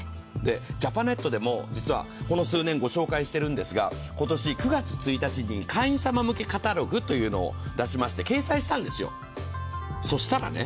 ジャパネットでも、実はこの数年、ご紹介しているんですが、今年９月１日に会員様向けカタログを出しまして掲載したんですよ、そしたらね。